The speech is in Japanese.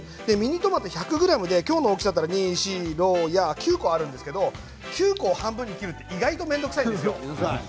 １００ｇで今日の大きさだったら９個あるんですけども９個を半分に切るって意外と面倒くさいですよ。